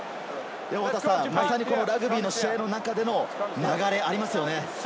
まさにラグビーの試合の中での流れがありますね。